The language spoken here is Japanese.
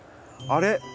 あれ？